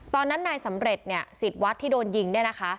ตอนนั้นนายสำเร็จเนี่ยสิทธิ์วัดที่โดนยิงเนี่ยนะคะ